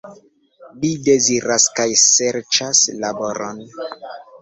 Li deziras kaj serĉas laboron.